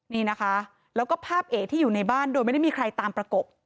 นี่นะคะแล้วก็ภาพเอ๋ที่อยู่ในบ้านโดยไม่ได้มีใครตามประกบ